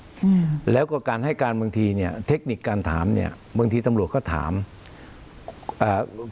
อืมแล้วก็การให้การบางทีเนี้ยเทคนิคการถามเนี้ยบางทีตำรวจก็ถามอ่า